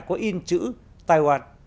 có in chữ taiwan